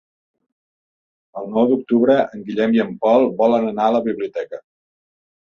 El nou d'octubre en Guillem i en Pol volen anar a la biblioteca.